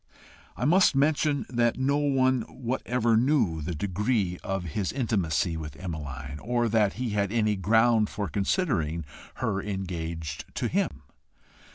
I must mention that no one whatever knew the degree of his intimacy with Emmeline, or that he had any ground for considering her engaged to him.